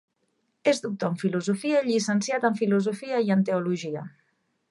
És doctor en Filosofia i llicenciat en Filosofia i en Teologia.